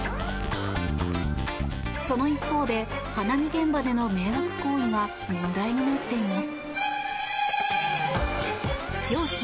その一方で花見現場での迷惑行為が問題になっています。